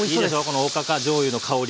このおかかじょうゆの香り。